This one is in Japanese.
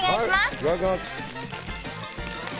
いただきます。